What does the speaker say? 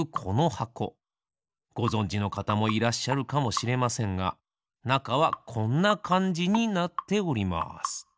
ごぞんじのかたもいらっしゃるかもしれませんがなかはこんなかんじになっております。